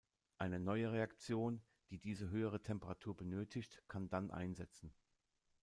Eine neue Reaktion, die diese höhere Temperatur benötigt, kann dann einsetzen.